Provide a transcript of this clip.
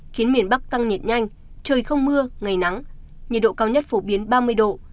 khiến miền bắc tăng nhiệt nhanh trời không mưa ngày nắng nhiệt độ cao nhất phổ biến ba mươi độ